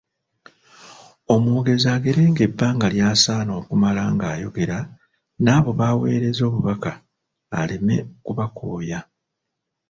Omwogezi agerenga ebbanga ly'asaana okumala ng'ayogera n'abo baweereza obubaka aleme kubakooya.